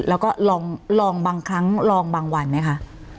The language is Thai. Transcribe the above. แล้วก็ลองบางครั้งลองบางวันไหมคะ